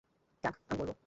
টাগ, আমি বলব।